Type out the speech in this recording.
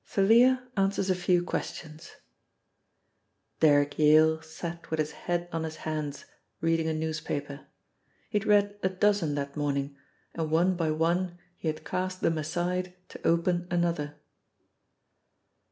XXXI. — THALIA ANSWERS A FEW QUESTIONS DERRICK YALE sat with his head on his hands, reading a newspaper. He had read a dozen that morning, and one by one he had cast them aside to open another.